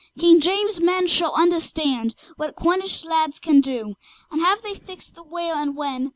King James's men shall understand What Cornish lads can do! And have they fixed the where and when?